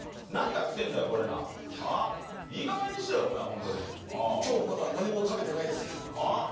何が臭えんだよこれないやいいかげんにしろお前ホントにはい今日はまだ何も食べてないですああ？